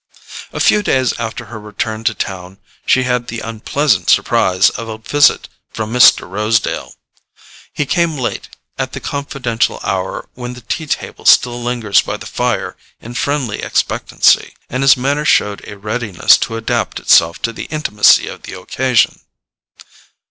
A few days after her return to town she had the unpleasant surprise of a visit from Mr. Rosedale. He came late, at the confidential hour when the tea table still lingers by the fire in friendly expectancy; and his manner showed a readiness to adapt itself to the intimacy of the occasion.